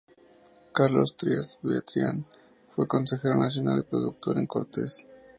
Carlos Trías Bertrán fue consejero nacional y procurador en Cortes.